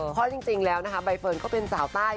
เพราะจริงแล้วนะคะใบเฟิร์นก็เป็นสาวใต้